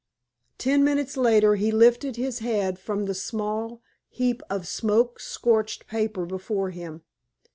Ten minutes later he lifted his head from the small heap of smoke scorched paper before him.